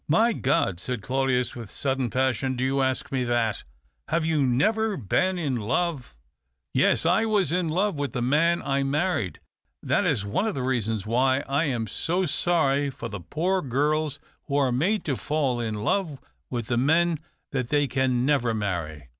" "My God!" said Claudius, with sudden passion. '' Do you ask me that ? Have you never been in love ?" "Yes, I was in love with the man I m^arried. That is one of the reasons why I am so sorry for the poor girls who are made to fall in love with the men that they can never marry."